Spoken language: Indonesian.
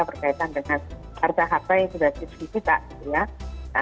berkaitan dengan harga harga yang sudah disisihkan